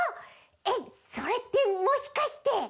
えっそれってもしかして。